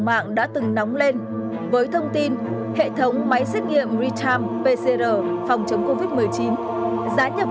mạng đã từng nóng lên với thông tin hệ thống máy xét nghiệm real time pcr phòng chống covid một mươi chín giá nhập